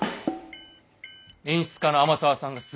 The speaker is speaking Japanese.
演出家の天沢さんがすっげえ。